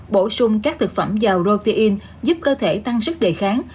bổ sung các thực phẩm dầu protein giúp cơ thể tăng sức đề kháng